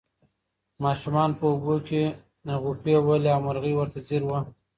ماشومانو په اوبو کې غوپې وهلې او مرغۍ ورته ځیر وه.